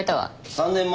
３年前？